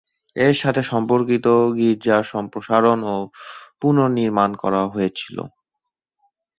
এর সাথে সম্পর্কিত, গির্জার সম্প্রসারণ ও পুনর্নির্মাণ করা হয়েছিল।